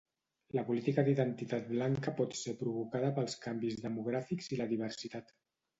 La política d'identitat blanca pot ser provocada pels canvis demogràfics i la diversitat.